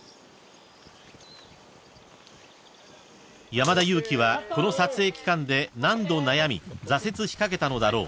［山田裕貴はこの撮影期間で何度悩み挫折しかけたのだろう？］